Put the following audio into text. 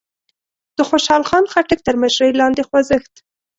د خوشال خان خټک تر مشرۍ لاندې خوځښت